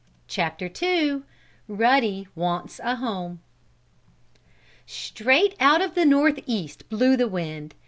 CHAPTER II RUDDY WANTS A HOME Straight out of the north east blew the wind.